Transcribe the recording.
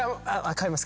飼います。